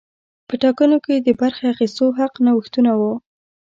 په ټاکنو کې د برخې اخیستو حق نوښتونه وو.